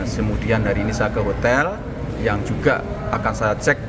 kemudian dari nisa ke hotel yang juga akan saya cek